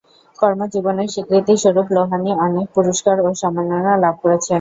কর্মজীবনের স্বীকৃতিস্বরূপ লোহানী অনেক পুরস্কার ও সম্মাননা লাভ করেছেন।